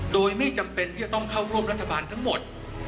โดยไม่จำเป็นที่จะต้องเข้าร่วมรัฐบาลทั้งหมด